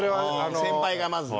先輩がまずね。